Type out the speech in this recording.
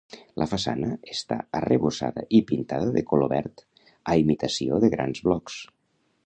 La façana està arrebossada i pintada de color verd, a imitació de grans blocs.